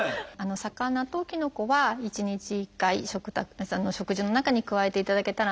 魚ときのこは１日１回食事の中に加えていただけたらなと思います。